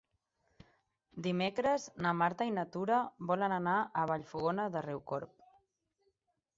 Dimecres na Marta i na Tura volen anar a Vallfogona de Riucorb.